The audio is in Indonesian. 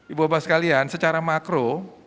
ibu bapak sekalian secara makro